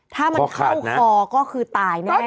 ถ้ามันขึ้นคลอก็คือตายแน่นอน